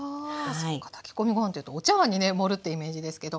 そっか炊き込みご飯っていうとお茶わんにね盛るってイメージですけど。